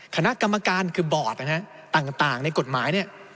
คณะกรรมการคือบอร์ดนะฮะต่างในกฎหมายเนี่ย